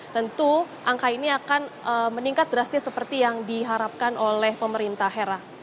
tentu angka ini akan meningkat drastis seperti yang diharapkan oleh pemerintah hera